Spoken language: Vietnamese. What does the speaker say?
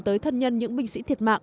tới thân nhân những binh sĩ thiệt mạng